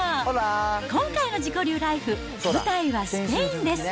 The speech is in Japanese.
今回の自己流ライフ、舞台はスペインです。